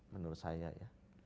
menurut saya ya